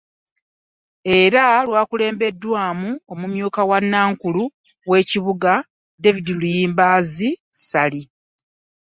Era lwakulembeddwamu omumyuka wa nnankulu w'ekibuga, David Luyimbaazi Ssali